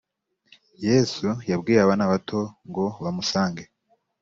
yesu yabwiye abana bato ngo bamusange